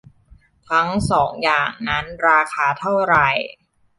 ทั้งสองอย่างนั้น ราคาเท่าไหร ?